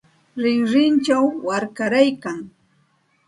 Rinrinchaw warkaraykan.